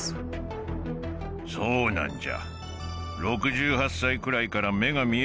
そうなんじゃ。